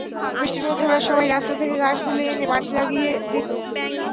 বৃষ্টির মধ্যে ওরা সবাই রাস্তা থেকে ঘাস তুলে এনে মাঠে লাগিয়ে দিত।